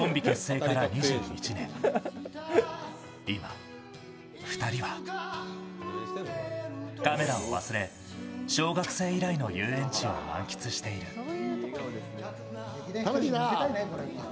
今、２人はカメラを忘れ小学生以来の遊園地を満喫している。